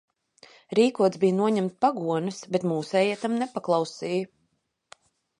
Rīkots bija noņemt pagones, bet mūsējie tam nepaklausīja.